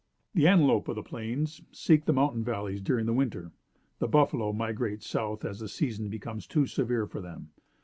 The antelope of the plains seek the mountain valleys during the winter. The buffalo migrate south as the season becomes too severe for them.